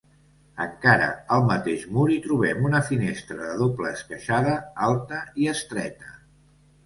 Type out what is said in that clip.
Encara al mateix mur hi trobem una finestra de doble esqueixada alta i estreta.